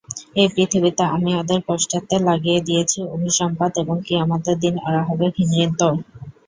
এ পৃথিবীতে আমি ওদের পশ্চাতে লাগিয়ে দিয়েছি অভিসম্পাত এবং কিয়ামতের দিন ওরা হবে ঘৃণিত।